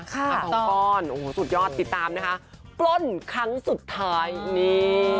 ทั้งสองก้อนโอ้โหสุดยอดติดตามนะคะปล้นครั้งสุดท้ายนี่